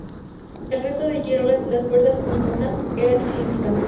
En el resto de las Gilbert las fuerzas niponas eran insignificantes.